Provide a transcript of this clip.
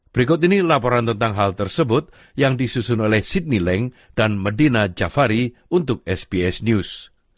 berikut ini laporan tentang hal tersebut yang disusun oleh sidney leng dan medina jafari untuk sbs news